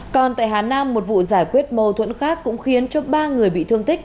còn tại hà nam một vụ giải quyết mâu thuẫn khác cũng khiến cho ba người bị thương tích